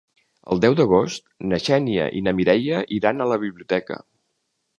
El deu d'agost na Xènia i na Mireia iran a la biblioteca.